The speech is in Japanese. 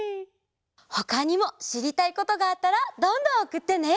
ほかにもしりたいことがあったらどんどんおくってね。